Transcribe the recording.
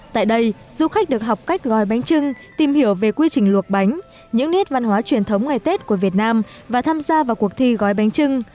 tại đây du khách được học cách gói bánh trưng tìm hiểu về quy trình luộc bánh những nét văn hóa truyền thống ngày tết của việt nam và tham gia vào cuộc thi gói bánh trưng